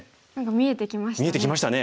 見えてきましたね。